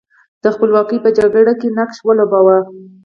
د خپلواکۍ په جګړه کې نقش ولوباوه.